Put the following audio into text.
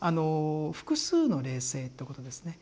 複数の霊性ということですね。